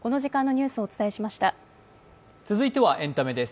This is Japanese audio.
続いてはエンタメです。